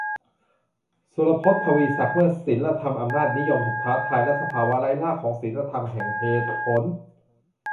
สุรพศ ทวีศักดิ์ "เมื่อศีลธรรมอำนาจนิยมถูกท้าทาย และสภาวะไร้รากของศีลธรรมแห่งเหตุผล "